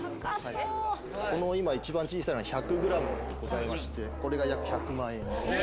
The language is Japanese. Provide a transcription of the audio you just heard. ・高そう・この今一番小さいのが１００ｇございましてこれが約１００万円です。え！